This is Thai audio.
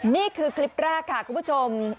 นี่คือคลิปแรกค่ะคุณผู้ชม